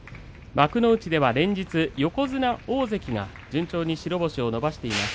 幕内では連日、横綱大関が順調に白星を伸ばしています。